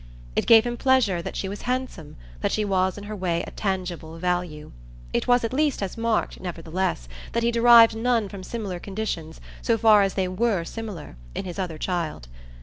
It gave him pleasure that she was handsome, that she was in her way a tangible value. It was at least as marked, nevertheless, that he derived none from similar conditions, so far as they WERE similar, in his other child.